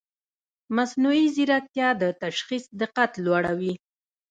مصنوعي ځیرکتیا د تشخیص دقت لوړوي.